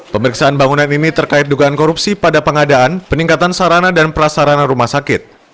pemeriksaan bangunan ini terkait dugaan korupsi pada pengadaan peningkatan sarana dan prasarana rumah sakit